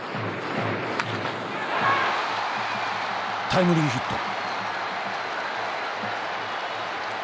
タイムリーヒット。